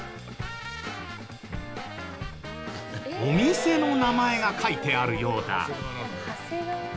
お店の名前が書いてあるようだ。